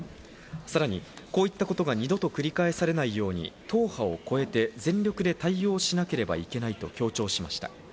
さらに、こういったことが二度と繰り返されないように党派を超えて全力で対応しなければいけないと強調しました。